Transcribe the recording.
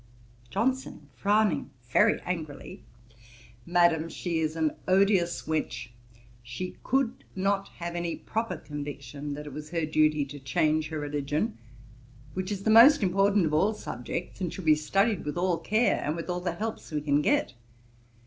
JOHNSON, (frowning very angrily,) 'Madam, she is an odious wench. She could not have any proper conviction that it was her duty to change her religion, which is the most important of all subjects, and should be studied with all care, and with all the helps we can get.